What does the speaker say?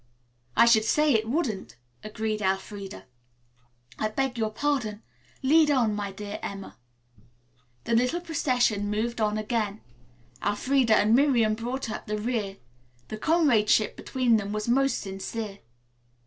"I should say it wouldn't," agreed Elfreda. "I beg your pardon. Lead on, my dear Emma." The little procession moved on again. Elfreda and Miriam brought up the rear. The comradeship between them was most sincere.